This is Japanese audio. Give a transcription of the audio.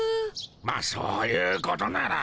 まっそういうことなら。